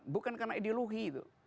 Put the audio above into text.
bukan karena ideologi